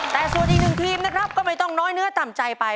แต่ส่วนอีกหนึ่งทีมนะครับก็ไม่ต้องน้อยเนื้อต่ำใจไป